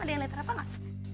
ada yang liat terapa gak